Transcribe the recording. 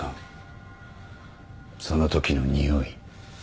そのときのにおい。